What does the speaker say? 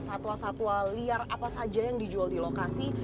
satwa satwa liar apa saja yang dijual di lokasi